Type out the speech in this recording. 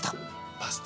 パスタ。